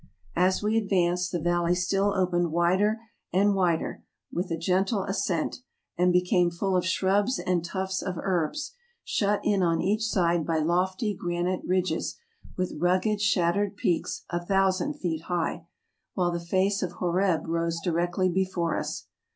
As we advanced, the valley still opened wider and wider, with a gentle ascent, and became full of shrubs and tufts of herbs, shut in on each side by lofty granite ridges with rugged, shattered peaks a thousand feet high, while the face of Horeb rose directly before us.